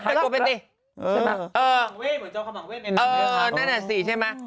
เหมือนเจ้าคำห่างเวชเนี่ยค่ะเออนั่นอ่ะสิใช่ไหม